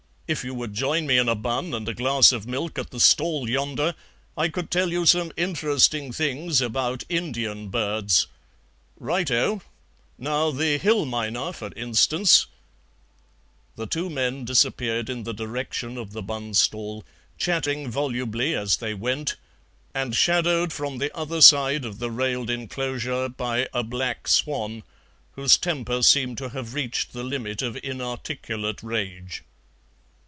If you would join me in a bun and a glass of milk at the stall yonder, I could tell you some interesting things about Indian birds. Right oh! Now the hill mynah, for instance " The two men disappeared in the direction of the bun stall, chatting volubly as they went, and shadowed from the other side of the railed enclosure by a black swan, whose temper seemed to have reached the limit of inarticulate rage.